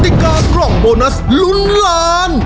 ติกากล่องโบนัสลุ้นล้าน